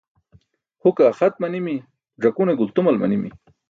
Huke axat manimi, ẓakune gultumal manimi.